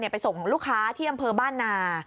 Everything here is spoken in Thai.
ไปส่งลูกค้าที่อำเภอบ้านนา